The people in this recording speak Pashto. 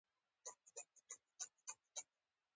نه، هماغه هم نه ده، خو سترې درې ته هم باید ولاړ شم.